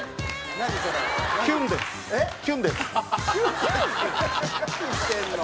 何してんの！